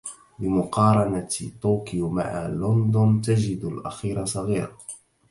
بمقارنة طوكيو مع لندن تجد الاخيرة صغيرة